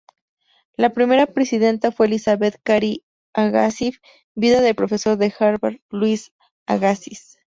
La primera presidenta fue Elizabeth Cary Agassiz, viuda del profesor de Harvard Louis Agassiz.